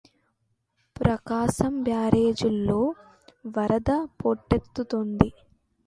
ప్రకాశం బ్యారేజిలోకి వరద పోటెత్తుతోంది